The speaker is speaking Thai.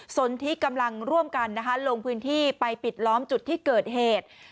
สนที่กำลังร่วมกันนะคะลงพื้นที่ไปปิดล้อมจุดที่เกิดเหตุ